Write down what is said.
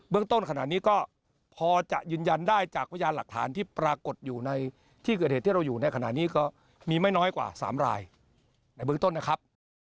ต้นขนาดนี้ก็พอจะยืนยันได้จากพยานหลักฐานที่ปรากฏอยู่ในที่เกิดเหตุที่เราอยู่ในขณะนี้ก็มีไม่น้อยกว่า๓รายในเบื้องต้นนะครับ